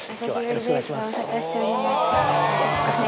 よろしくお願いします。